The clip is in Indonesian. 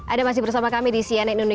ada masih bersama kami di cnn indonesia